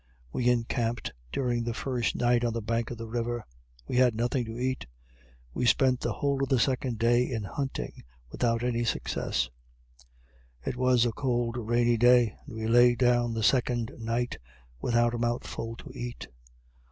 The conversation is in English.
We encamped during the first night on the bank of the river. We had nothing to eat. We spent the whole of the second day in hunting, without any success; it was a cold rainy day, and we lay down the second night without a mouthful to eat.